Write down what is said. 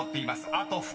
あと２人］